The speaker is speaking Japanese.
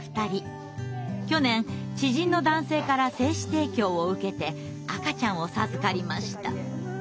去年知人の男性から精子提供を受けて赤ちゃんを授かりました。